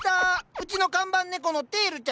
うちの看板猫のテールちゃんです。